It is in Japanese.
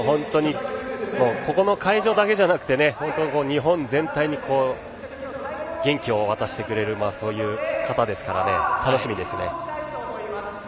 ここの会場だけじゃなくて日本全体に元気を渡してくれるそういう方ですから楽しみですね。